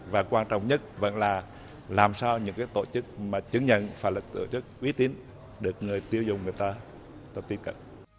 và quan trọng nhất vẫn là làm sao những tổ chức mà chứng nhận phải là tổ chức uy tín được người tiêu dùng người ta được tiếp cận